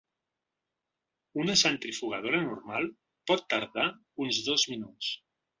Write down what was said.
Una centrifugadora normal pot tardar uns dos minuts.